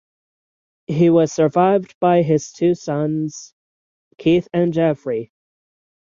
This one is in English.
He was survived by his two sons, Keith and Jeffrey.